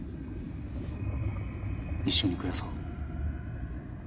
一緒に暮らそう。